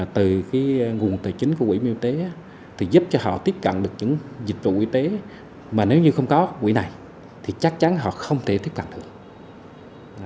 từ nguồn tài chính của quỹ y tế giúp cho họ tiếp cận được những dịch vụ y tế mà nếu như không có quỹ này thì chắc chắn họ không thể tiếp cận được